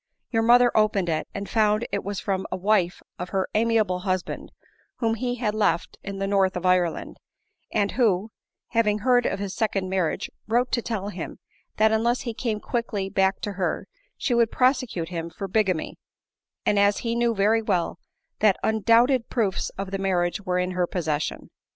Your mother opened it, and found it was from a wife of her amiable husband, whom he had left in the north of Ireland, arid who, having heard of his second marriage, wrote to tell him, that unless he came quickly back to her, she would prosecute him for bigamy, as he knew very well that undoubted proofs of the marriage were in her possession.